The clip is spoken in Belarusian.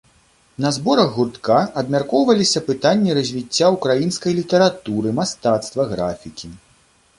На зборах гуртка абмяркоўваліся пытанні развіцця ўкраінскай літаратуры, мастацтва, графікі.